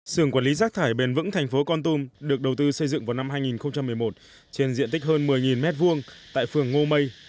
sườn quản lý rác thải bền vững thành phố con tum được đầu tư xây dựng vào năm hai nghìn một mươi một trên diện tích hơn một mươi m hai tại phường ngô mây